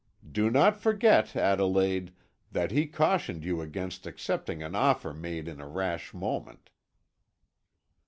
Do not forget, Adelaide, that he cautioned you against accepting an offer made in a rash moment."